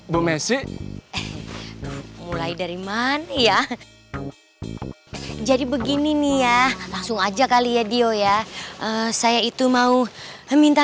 domestik mulai dari mana ya jadi begini nih ya langsung aja kali ya dio ya saya itu mau minta